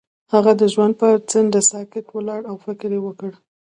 هغه د ژوند پر څنډه ساکت ولاړ او فکر وکړ.